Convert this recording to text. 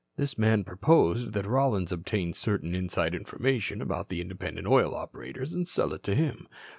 "This man proposed that Rollins obtain certain inside information about the independent oil operators and sell it to him.